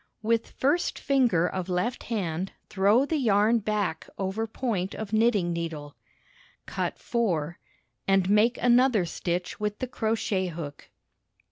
With first finger of left hand throw the yarn back over point of knitting needle, Cut 4 and make another stitch with the crochet hook.